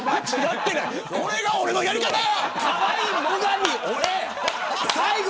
これが俺のやり方や。